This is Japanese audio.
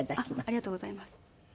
ありがとうございます。